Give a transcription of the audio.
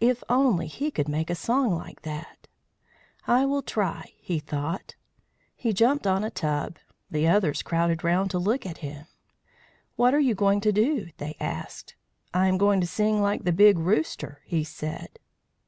If only he could make a song like that! "I will try," he thought. He jumped on a tub. The others crowded round to look at him. "What are you going to do?" they asked. "I am going to sing like the Big Rooster," he said.